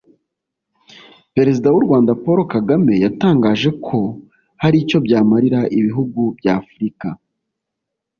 Perezida w’u Rwanda Paul Kagame yatangaje ko hari icyo byamarira ibihugu bya Afurika